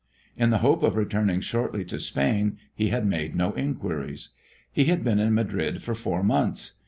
In the hope of returning shortly to Spain, he had made no inquiries. He had been in Madrid for four months.